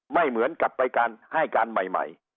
เหมือนกับไปการให้การใหม่